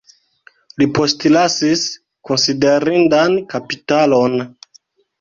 Li postlasis konsiderindan kapitalon.